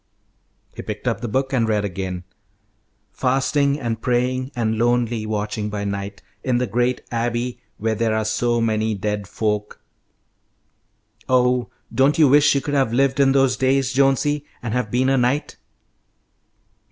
He picked up the book and read again: "'Fasting and praying and lonely watching by night in the great abbey where there are so many dead folk.' "Oh, don't you wish you could have lived in those days, Jonesy, and have been a knight?"